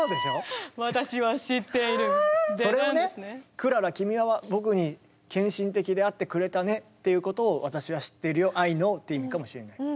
クララ君は僕に献身的であってくれたねっていうことを私は知っているよ「Ｉｋｎｏｗ」って意味かもしれない。